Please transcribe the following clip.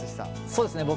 そうですね